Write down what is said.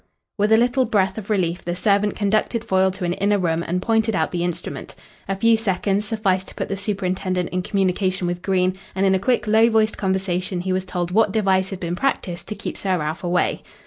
With a little breath of relief the servant conducted Foyle to an inner room and pointed out the instrument. A few seconds sufficed to put the superintendent in communication with Green, and in a quick, low voiced conversation he was told what device had been practised to keep Sir Ralph away.